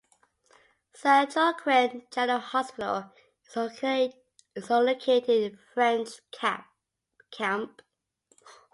San Joaquin General Hospital is located in French Camp.